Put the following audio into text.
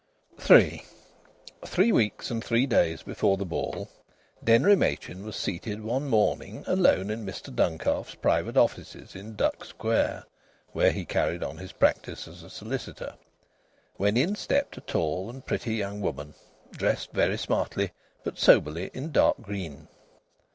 III Three weeks and three days before the ball Denry Machin was seated one Monday alone in Mr Duncalf's private offices in Duck Square (where he carried on his practice as a solicitor), when in stepped a tall and pretty young woman, dressed very smartly but soberly in dark green.